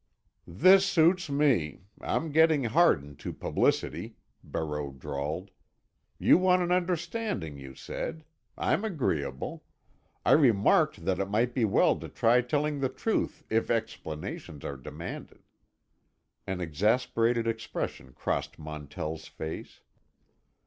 "This suits me; I'm getting hardened to publicity," Barreau drawled. "You want an understanding, you said. I'm agreeable. I remarked that it might be well to try telling the truth if explanations are demanded." An exasperated expression crossed Montell's face.